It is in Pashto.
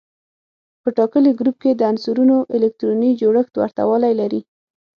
په ټاکلي ګروپ کې د عنصرونو الکتروني جوړښت ورته والی لري.